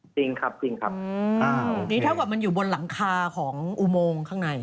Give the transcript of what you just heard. จริงครับจริงครับนี่เท่ากับมันอยู่บนหลังคาของอุโมงข้างใน